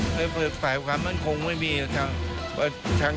ไปเปิดสายขับคงไม่มีทาง